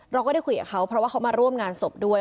เราก็ได้คุยกับเขาเพราะว่าเขามาร่วมงานศพด้วย